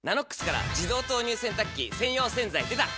「ＮＡＮＯＸ」から自動投入洗濯機専用洗剤でた！